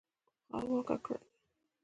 خو هوا ککړه ده.